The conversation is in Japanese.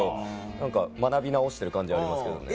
何か学び直してる感じありますけどね。